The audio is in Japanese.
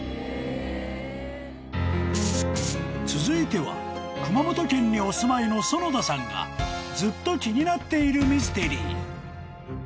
［続いては熊本県にお住まいの園田さんがずっと気になっているミステリー］